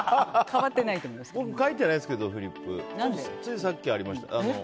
僕、書いてないんですけどついさっきありました。